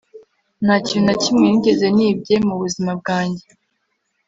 Nta kintu na kimwe nigeze nibye mu buzima bwanjye